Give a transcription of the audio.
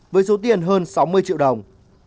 với số tiền hơn sáu mươi triệu đồng